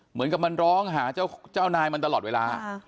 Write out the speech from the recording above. เหมือนกับมันร้องหาเจ้านายมันตลอดเวลา